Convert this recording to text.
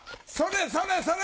それそれ！